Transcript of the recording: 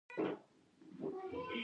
ګاز د افغانانو د ګټورتیا برخه ده.